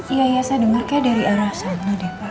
iya iya saya denger kayak dari arah sana deh pak